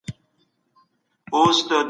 حنفي مسلک د انسانانو ژوند ته ارزښت ورکوي.